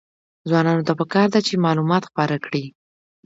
ځوانانو ته پکار ده چې، معلومات خپاره کړي.